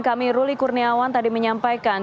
karena beberapa kali juga disampaikan